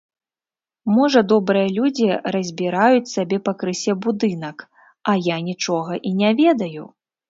Можа, добрыя людзі разбіраюць сабе пакрысе будынак, а я нічога і не ведаю!